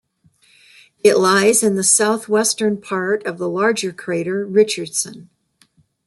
It lies in the southwestern part of the larger crater Richardson.